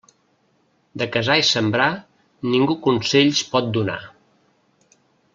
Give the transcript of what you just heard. De casar i sembrar, ningú consells pot donar.